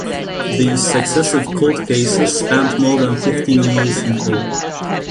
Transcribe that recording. These successive court cases spanned more than fifteen years in all.